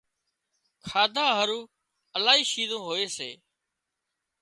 کاڌا هارُو الاهي شِيزون هوئي سي